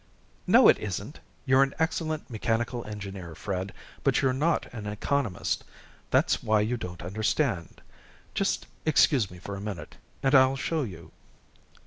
"No, it isn't. You're an excellent mechanical engineer, Fred, but you're not an economist. That's why you don't understand. Just excuse me for a minute, and I'll show you."